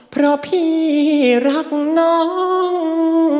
เพราะพี่รักน้อง